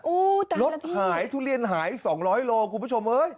อู้วตายแล้วพี่รถหายทุเรียนหาย๒๐๐กิโลเมตรคุณผู้ชม